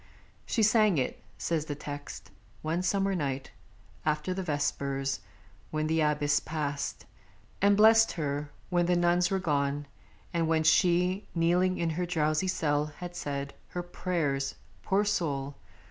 She sang it (says the text) one summer night, After the vespers, when the Abbess passed And blessed her; when the nuns were gone, and when She, kneeling in her drowsy cell, had said Her prayers (poor soul!)